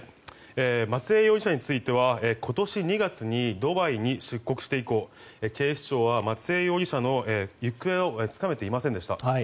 松江容疑者については今年２月にドバイに出国して以降警視庁は松江容疑者の行方をつかめていませんでした。